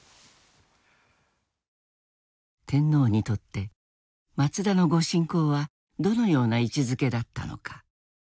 天皇にとって松田の御進講はどのような位置づけだったのか。